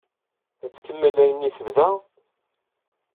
Ad tkemmel ayen i d-tebda?